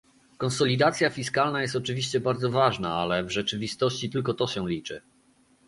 Konsolidacja fiskalna jest oczywiście bardzo ważna, ale w rzeczywistości tylko to się liczy